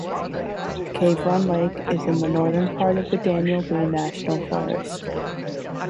Cave Run Lake is in the northern part of the Daniel Boone National Forest.